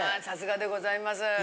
さすがでございます。